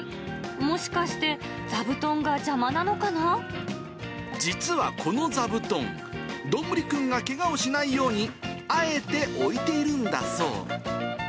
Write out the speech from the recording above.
もしかして、実はこの座布団、どんぶりくんがけがをしないように、あえて置いているんだそう。